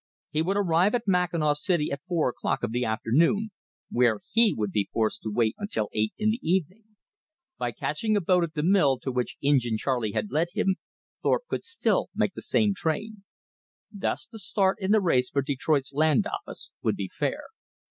He would arrive at Mackinaw City at four o'clock of the afternoon, where he would be forced to wait until eight in the evening. By catching a boat at the mill to which Injin Charley had led him, Thorpe could still make the same train. Thus the start in the race for Detroit's Land Office would be fair.